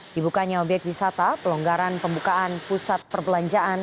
dibukanya obyek wisata pelonggaran pembukaan pusat perbelanjaan